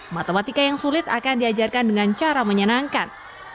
matematika yang sulit akan diajarkan dengan cara menyenangkan